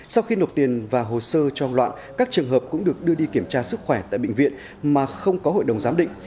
sau khi nộp tiền và hồ sơ cho ông loạn các trường hợp cũng được đưa đi kiểm tra sức khỏe tại bệnh viện mà không có hội đồng giám định